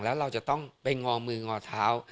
แล้วเราจะต้องไปงอมืองอเท้า